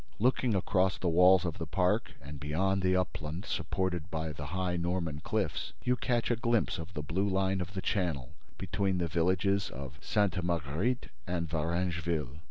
Looking across the walls of the park and beyond the upland supported by the high Norman cliffs, you catch a glimpse of the blue line of the Channel between the villages of Sainte Marguerite and Varengeville.